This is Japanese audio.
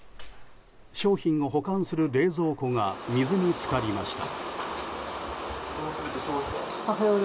商品を保管する冷蔵庫が水に浸かりました。